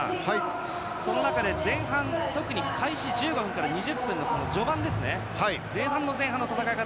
その中で前半開始１５分から２０分の序盤、前半の前半の戦い方